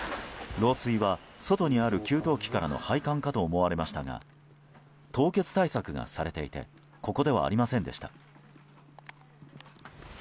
漏水は、外にある給湯器からの配管かと思われましたが凍結対策がされていてここではありませんでした。